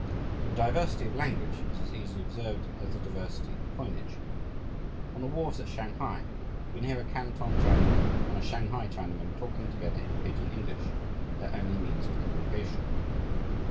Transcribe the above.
The diversity of language is as easily observed as the diversity of coinage. On the wharves at Shanghai you can hear a Canton Chinaman and a Shanghai Chinaman talking together in pidgin English, their only means of communication.